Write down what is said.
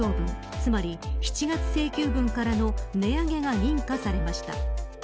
つまり７月請求分からの値上げが認可されました。